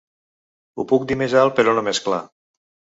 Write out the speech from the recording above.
Ho puc dir més alt però no més clar.